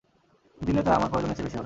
দিলে তা আমার প্রয়োজনের চেয়ে বেশী হবে।